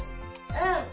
うん。